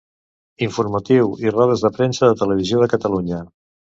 Informatius i rodes de premsa de Televisió de Catalunya.